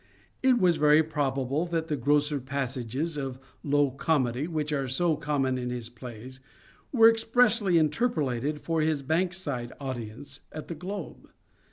It is very probable that the grosser passages of low comedy which are so common in his plays were expressly interpolated for his Bankside audience at The Globe.